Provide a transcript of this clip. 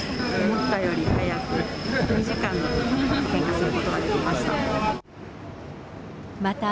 思ったより早く、２時間で献花することができました。